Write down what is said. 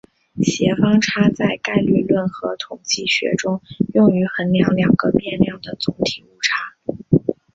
协方差在概率论和统计学中用于衡量两个变量的总体误差。